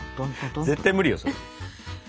絶対無理よそれ。